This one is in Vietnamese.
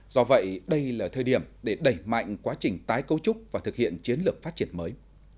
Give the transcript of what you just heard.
do vậy đây là thời điểm để đẩy mạnh quá trình tái cấu trúc và thực hiện chiến lược phát triển mới